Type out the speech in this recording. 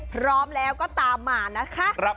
พร้อมแล้วก็ตามมานะคะ